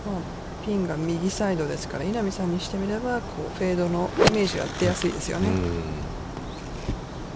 ピンが右サイドですから、稲見さんにしてみれば、フェードのイメージは出やすいですよね。